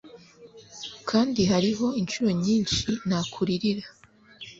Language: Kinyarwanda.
kandi hariho inshuro nyinshi nakuririra